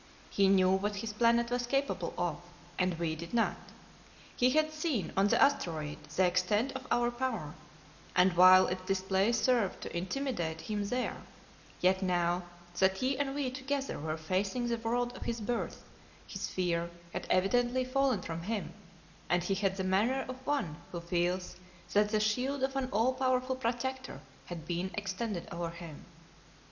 He knew what his planet was capable of, and we did not. He had seen, on the asteroid, the extent of our power, and while its display served to intimidate him there, yet now that he and we together were facing the world of his birth, his fear had evidently fallen from him, and he had the manner of one who feels that the shield of an all powerful protector had been extended over him.